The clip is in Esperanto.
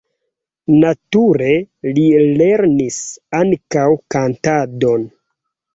Nature li lernis ankaŭ kantadon.